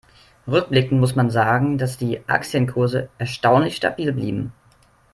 Rückblickend muss man sagen, dass die Aktienkurse erstaunlich stabil blieben.